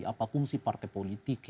apa fungsi partai politik